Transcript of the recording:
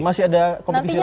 masih ada kompetisi lagi